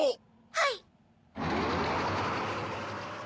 はい！